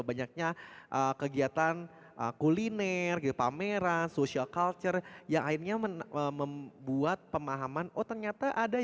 banyaknya kegiatan kuliner pameran social culture yang akhirnya membuat pemahaman oh ternyata ada ya diaspora di sini